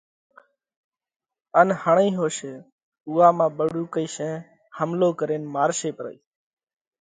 ان ھيڻئِي ھوشي اُوئا مانھ ٻۯُوڪئِي شين حملو ڪرينَ مارشي پرئِي